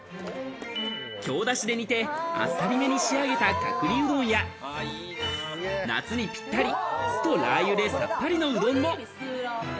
京出汁で煮て、あっさりめに仕上げた角煮うどんや、夏にぴったり酢とラー油でさっぱりのうどんも。